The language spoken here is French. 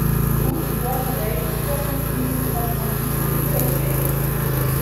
Route du Wahlweg, soixante-huit mille trois cent dix Wittelsheim